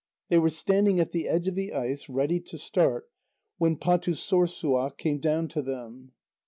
They were standing at the edge of the ice, ready to start, when Pâtussorssuaq came down to them.